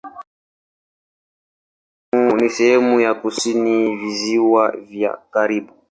Ni sehemu ya kusini Visiwa vya Karibi.